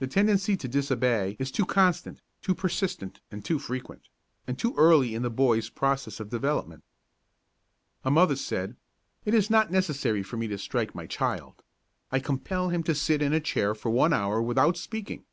The tendency to disobey is too constant, too persistent and too frequent, and too early in the boy's process of development. A mother said: "It is not necessary for me to strike my child. I compel him to sit in a chair for one hour without speaking.